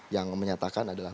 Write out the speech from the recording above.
yang menyatakan adalah